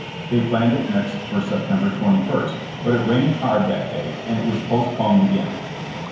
They planned it next for September 21, but it rained hard that day and it was postponed again.